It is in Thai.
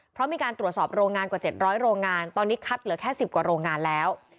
เพราะมีการตรวจสอบโรงงานกว่า๗๐๐โรงงานตอนนี้คัดเหลือแค่๑๐กว่าโรงงานแล้ว